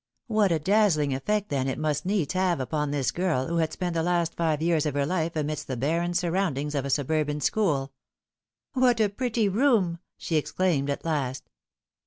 What a dazzling effect, then, it must needs have upon this girl, who had spent the last five years of her life amidst the barren surroundings of a suburban school !" What a pretty room !" she exclaimed at last.